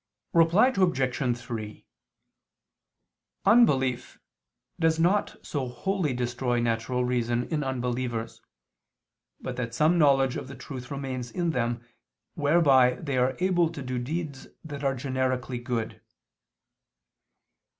Reply Obj. 3: Unbelief does not so wholly destroy natural reason in unbelievers, but that some knowledge of the truth remains in them, whereby they are able to do deeds that are generically good.